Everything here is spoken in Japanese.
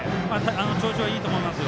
調子はいいと思います。